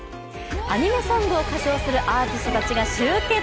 アニメソングを歌唱するアーティストたちが集結。